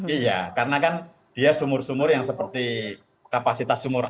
iya karena kan dia sumur sumur yang seperti kapasitas sumur